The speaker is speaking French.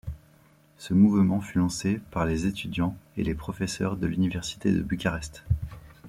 Ce mouvement fut lancé par les étudiants et les professeurs de l'Université de Bucarest.